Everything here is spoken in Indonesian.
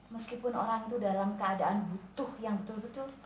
meskipun orang itu dalam keadaan butuh yang betul betul